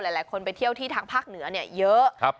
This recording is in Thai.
หลายคนไปเที่ยวที่ทางภาคเหนือเยอะ